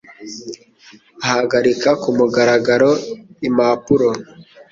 ahagarika ku mugaragaro impapuro,